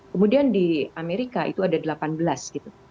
kemudian di amerika itu ada delapan belas gitu